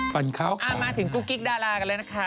ฝั่นเขากะกาวเผื่อนมาถึงกุ๊กกิ๊กดาลากันเลยนะคะ